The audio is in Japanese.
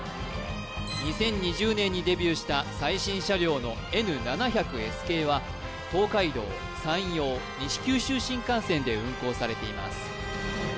２０２０年にデビューした最新車両のＮ７００Ｓ系は東海道山陽西九州新幹線で運行されています